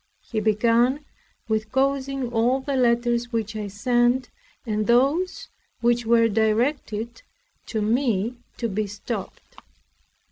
He began with causing all the letters which I sent, and those which were directed to me, to be stopped.